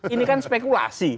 ini kan spekulasi